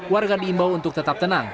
warga diimbau untuk tetap tenang